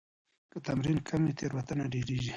که تمرین کم وي، تېروتنه ډېريږي.